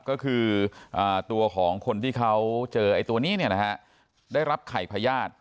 ก็คือตัวของคนที่เขาเจอไอ้ตัวนี้ได้รับไข่พญาติ